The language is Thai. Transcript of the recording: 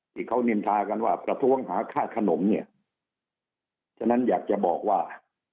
ที่เขานินทากันว่าประท้วงหาค่าขนมเนี่ยฉะนั้นอยากจะบอกว่า